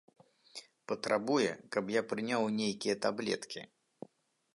Патрабуе, каб я прыняў нейкія таблеткі!